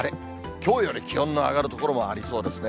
きょうより気温の上がる所もありそうですね。